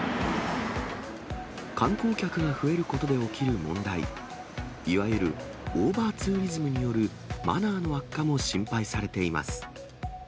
観光客が増えることで起きる問題、いわゆるオーバーツーリズムによるマナーの悪化も心配されています。